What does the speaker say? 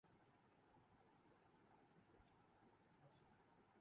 وسیم کے بعد رمیز بھی ڈب اسمیش کلب کے ممبر بن گئے